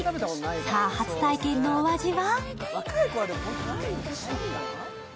さぁ、初体験のお味は？